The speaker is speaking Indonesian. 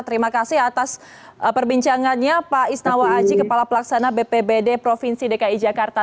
terima kasih atas perbincangannya pak isnawa aji kepala pelaksana bpbd provinsi dki jakarta